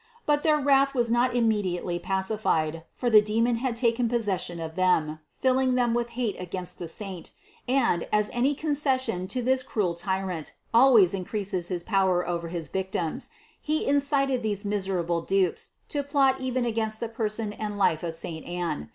But their wrath was not imme diately pacified, for the demon had taken possession of them, filling them with hate against the saint ; and, as any concession to this cruel tyrant always increases his 258 CITY OF GOD power over his victims, he incited these miserable dupes to plot even against the person and life of saint Anne.